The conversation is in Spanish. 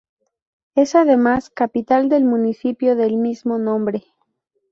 Es además, capital del municipio del mismo nombre.